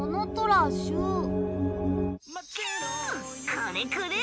これこれ！